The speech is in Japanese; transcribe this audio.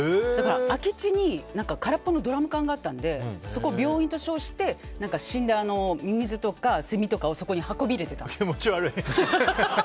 空き地に空っぽのドラム缶があったのでそこ、病院と称して死んだミミズとかセミとかをそこに運び入れてたの。